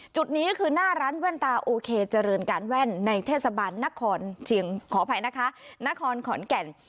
จุดนี้คือหน้าร้านแว่นตาโอเคเจริญการแว่นในเทศบาลนครขอนแก่น